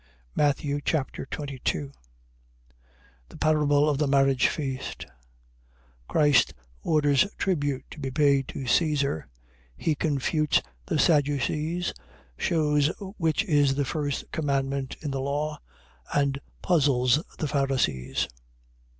Matthew Chapter 22 The parable of the marriage feast. Christ orders tribute to be paid to Caesar. He confutes the Sadducees, shews which is the first commandment in the law and puzzles the Pharisees.